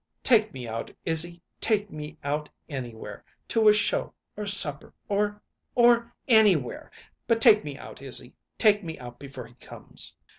"Take me out, Izzy! Take me out anywhere to a show or supper, or or anywhere; but take me out, Izzy. Take me out before he comes."